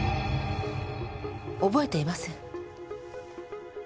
覚えていません。